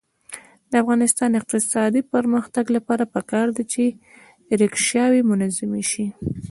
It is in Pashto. د افغانستان د اقتصادي پرمختګ لپاره پکار ده چې ریکشاوې منظمې شي.